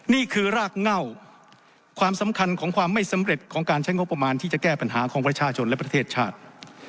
นี่คือรากเง่าความสำคัญของความไม่สำเร็จของการใช้งบประมาณที่จะแก้ปัญหาของประชาชนและประเทศชาติ